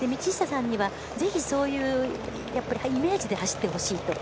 ぜひそういうイメージで走ってほしいと。